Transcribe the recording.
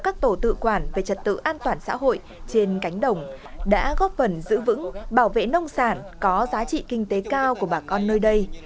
các tổ tự quản về trật tự an toàn xã hội trên cánh đồng đã góp phần giữ vững bảo vệ nông sản có giá trị kinh tế cao của bà con nơi đây